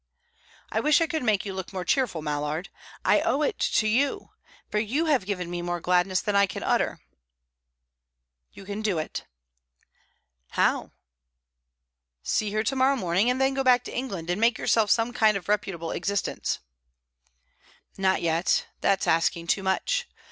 "I wish I could make you look more cheerful, Mallard. I owe it to you, for you have given me more gladness than I can utter." "You can do it." "How?" "See her to morrow morning, and then go back to England, and make yourself some kind of reputable existence." "Not yet. That is asking too much.